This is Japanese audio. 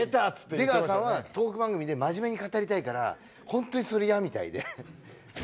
出川さんはトーク番組で真面目に語りたいからホントにそれ嫌みたいで。